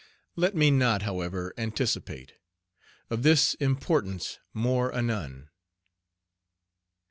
Let me not, however, anticipate. Of this importance more anon.